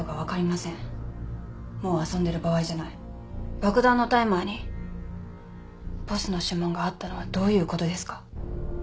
爆弾のタイマーにボスの指紋があったのはどういうことですか？